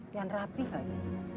dan rapi kayaknya